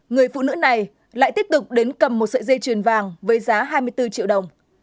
người phụ nữ này lại tiếp tục đến cầm một sợi dây chuyền vàng với giá hai mươi bốn triệu đồng